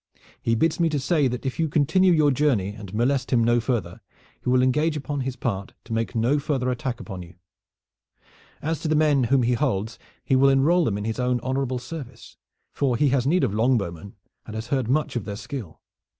He bids me to say that if you continue your journey and molest him no further he will engage upon his part to make no further attack upon you. As to the men whom he holds, he will enroll them in his own honorable service, for he has need of longbowmen, and has heard much of their skill.